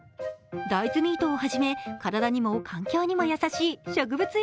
大豆ミートをはじめ体にも環境にも優しい植物